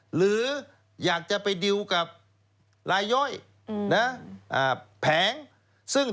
หรืออยากจะไปดิวกับรายย่อยแผง